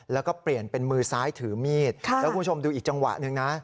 แล้วก็เปลี่ยนเป็นมือซ้ายถือมีดแล้วคุณผู้ชมดูอีกจังหวะหนึ่งนะ